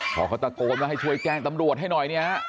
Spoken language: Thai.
พอเขาตะโกนว่าให้ช่วยแจ้งตำรวจให้หน่อยเนี่ย